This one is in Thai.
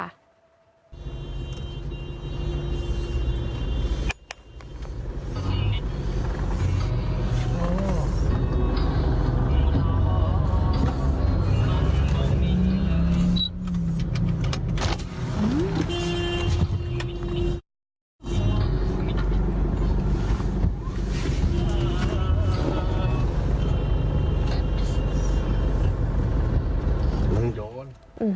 อ๋อมันย้อน